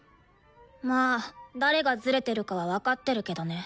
まあ誰がズレてるかは分かってるけどね。